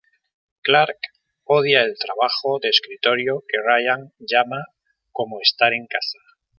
Clark odia el trabajo de escritorio que Ryan llama "como estar en casa".